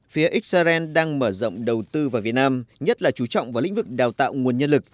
phía israel đang mở rộng đầu tư vào việt nam nhất là chú trọng vào lĩnh vực đào tạo nguồn nhân lực